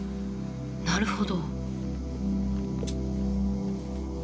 なるほど。